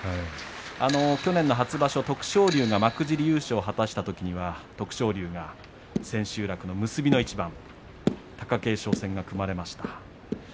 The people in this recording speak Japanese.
去年の初場所徳勝龍が幕尻優勝を果たしたときは徳勝龍が千秋楽の結びの一番貴景勝戦が組まれました。